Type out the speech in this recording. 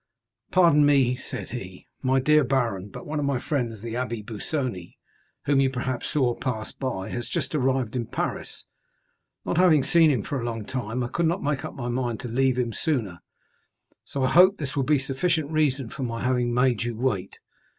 "Pardon me," said he, "my dear baron, but one of my friends, the Abbé Busoni, whom you perhaps saw pass by, has just arrived in Paris; not having seen him for a long time, I could not make up my mind to leave him sooner, so I hope this will be sufficient reason for my having made you wait."